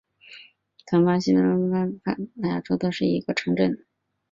唐巴西利乌是巴西巴伊亚州的一个市镇。